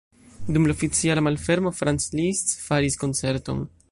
Dum la oficiala malfermo Franz Liszt faris koncerton.